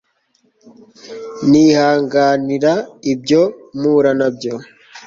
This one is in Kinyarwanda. nihanganira ibyo mpura nabyo